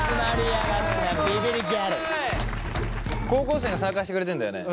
高校生が参加してくれてんだよね？